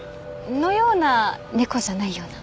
のような猫じゃないような。